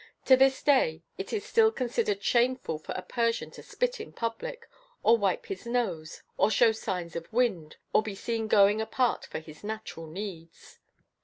To this day it is still considered shameful for a Persian to spit in public, or wipe the nose, or show signs of wind, or be seen going apart for his natural needs.